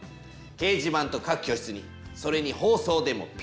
掲示板と各教室にそれに放送でもＰＲ。